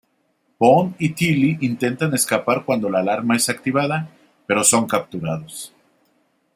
Bond y Tilly intentan escapar cuando la alarma es activada, pero son capturados.